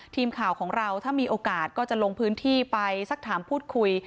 ทีมข่าวของเราถ้ามีโอกาสก็จะลงพื้นที่ไปสักถามพูดคุย